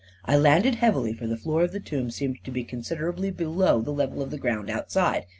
I landed heavily, for the floor of the tomb seemed to be considerably below the level of the ground outside.